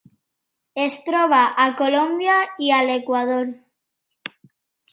Es troba a Colòmbia i a l'Equador.